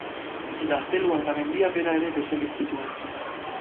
Gaztelua eta mendia bera ere desegin zituen.